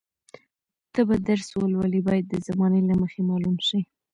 ته به درس ولولې باید د زمانې له مخې معلوم شي.